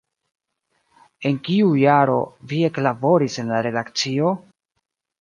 En kiu jaro vi eklaboris en la redakcio?